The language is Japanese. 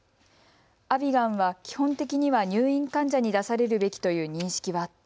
アビガンは基本的には入院患者に出されるべきという認識はあった。